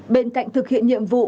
bên cạnh thực hiện nhiệm vụ